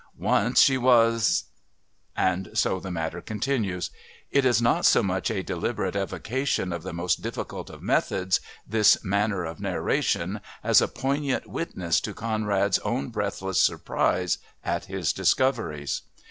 Once she was ... And so the matter continues. It is not so much a deliberate evocation of the most difficult of methods, this manner of narration, as a poignant witness to Conrad's own breathless surprise at his discoveries.